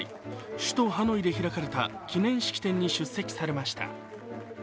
首都ハノイで開かれた記念式典に出席されました。